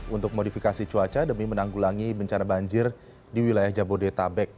untuk modifikasi cuaca demi menanggulangi bencana banjir di wilayah jabodetabek